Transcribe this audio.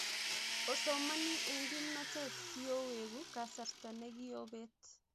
osomoni eng kimnatet si oweku kasarta nekiobeet